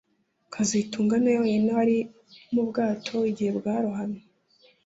kazitunga niwe wenyine wari mu bwato igihe bwarohamye